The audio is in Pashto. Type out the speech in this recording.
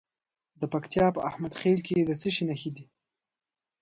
د پکتیا په احمد خیل کې د څه شي نښې دي؟